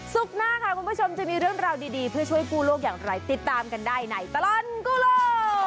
หน้าค่ะคุณผู้ชมจะมีเรื่องราวดีเพื่อช่วยกู้โลกอย่างไรติดตามกันได้ในตลอดกู้โลก